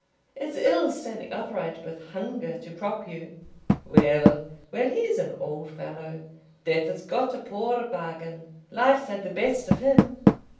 It's ill standing upright with hunger to prop you." "Well, well, he's an old fellow. Death has got a poor bargain. Life's had the best of him."